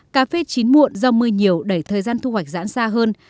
cà phê chín muộn do mưa nhiều đẩy thời gian thu hoạch giãn xa hơn